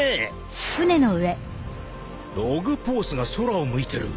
ログポースが空を向いてる。